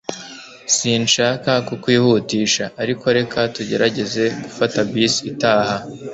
sinshaka kukwihutisha, ariko reka tugerageze gufata bus itaha